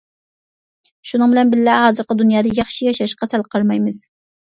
شۇنىڭ بىلەن بىللە، ھازىرقى دۇنيادا ياخشى ياشاشقا سەل قارىمايمىز.